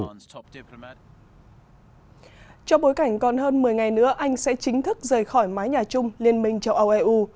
trong bối cảnh còn hơn một mươi ngày nữa anh sẽ chính thức rời khỏi mái nhà chung liên minh châu âu eu